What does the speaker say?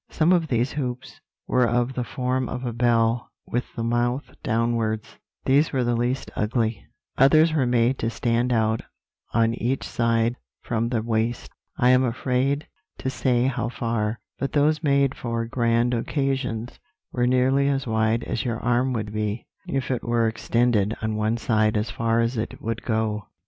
Some of these hoops were of the form of a bell with the mouth downwards these were the least ugly; others were made to stand out on each side from the waist, I am afraid to say how far; but those made for grand occasions were nearly as wide as your arm would be, if it were extended on one side as far as it would go.